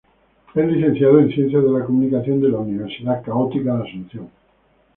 Es Licenciado en Ciencias de la Comunicación de la Universidad Católica de Asunción.